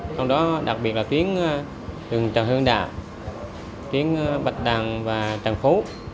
trong đó đặc biệt là tuyến trần hương đạo tuyến bạch đằng và trần phố